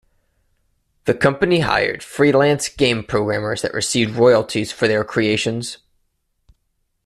The company hired freelance game programmers that received royalties for their creations.